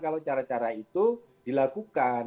kalau cara cara itu dilakukan